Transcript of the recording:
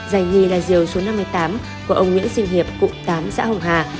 giải hai là diều số năm mươi tám của ông nguyễn sinh hiệp cụm tám xã hồng hà